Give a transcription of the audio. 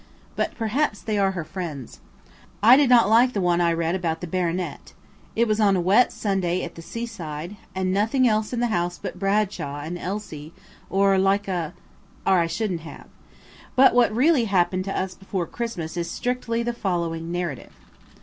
But perhaps they are her friends. I did not like the one I read about the Baronet. It was on a wet Sunday at the seaside, and nothing else in the house but Bradshaw and "Elsie; or like a–" or I shouldn't have. But what really happened to us before Christmas is strictly the following narrative.